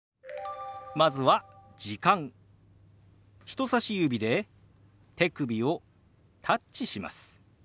人さし指で手首をタッチします。